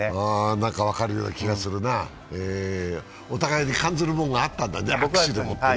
何か分かるような気がするな、お互いに感ずるものがあったんだ、握手でもってね。